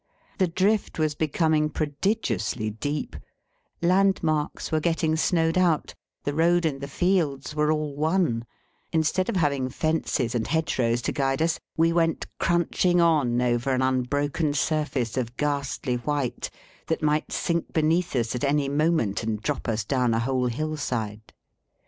The drift was becoming prodigiously deep; landmarks were getting snowed out; the road and the fields were all one; instead of having fences and hedge rows to guide us, we went crunching on over an unbroken surface of ghastly white that might sink beneath us at any moment and drop us down a whole hillside.